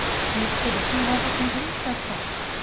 The expedi tion was a complete success.